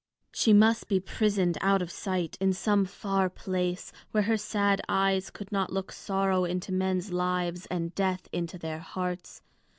She must be prisoned out of sight in some far place, where her sad eyes could not look sorrow into men's lives and death into their hearts.